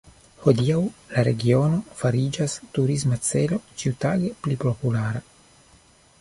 Hodiaŭ la regiono fariĝas turisma celo ĉiutage pli populara.